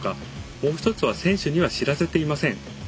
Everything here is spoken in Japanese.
もう一つは選手には知らせていません。